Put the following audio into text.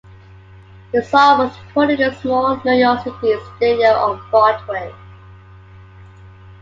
The song was recorded in a small New York City studio on Broadway.